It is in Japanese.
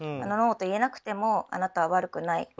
ノーと言えなくてもあなたは悪くない。